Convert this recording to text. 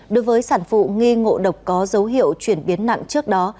đối với sản phụ nghi ngộ độc có dấu hiệu chuyển biến nặng trước đó